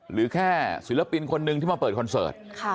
หรือแค่ศิลปินคนนึงที่มาเปิดคอนเสิร์ต